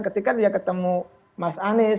ketika dia ketemu mas anies